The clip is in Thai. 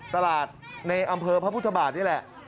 ตลาดในอำเภอพระพุทธบาทนี่แหละ